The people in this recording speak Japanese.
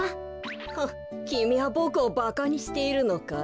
フッきみはボクをバカにしているのかい？